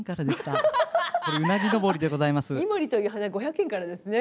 井森という花５００円からですね。